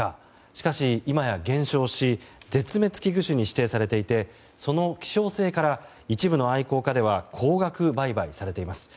しかし今や減少し絶滅危惧種に指定されていてその希少性から一部の愛好家では高額売買されています。